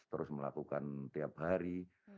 terus melakukan tiap hari